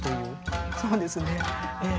そうですねええ。